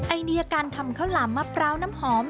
ไอเดียของข้าวหลามมะพร้าน้ำหอม